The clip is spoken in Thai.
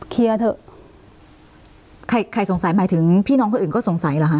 เคลียร์เถอะใครสงสัยหมายถึงพี่น้องคนอื่นก็สงสัยเหรอคะ